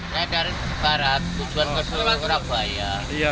saya dari barat tujuan ke surabaya